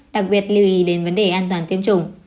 đặc biệt lưu ý đến vấn đề an toàn tiêm chủng